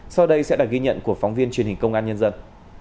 sau đây sẽ là ghi nhận của phóng viên truyền hình công an nhân dân